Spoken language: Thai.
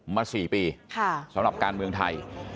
มา๔ปีสำหรับการเมืองไทย